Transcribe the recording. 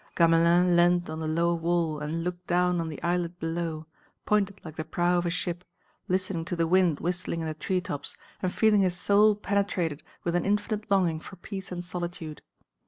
Gamelin leant on the low wall and looked down on the islet below, pointed like the prow of a ship, listening to the wind whistling in the tree tops, and feeling his soul penetrated with an infinite longing for peace and solitude.